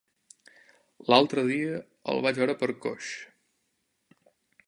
L'altre dia el vaig veure per Coix.